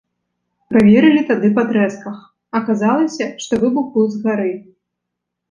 Праверылі тады па трэсках, аказалася, што выбух быў з гары.